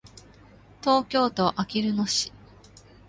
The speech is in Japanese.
東京都あきる野市